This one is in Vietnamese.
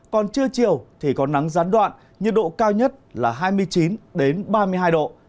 còn trưa chiều thì có nắng gián đoạn nhiệt độ cao nhất là hai mươi chín ba mươi hai độ